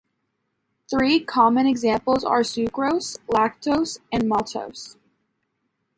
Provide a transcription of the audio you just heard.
Three common examples are sucrose, lactose, and maltose.